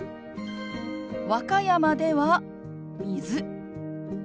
和歌山では「水」。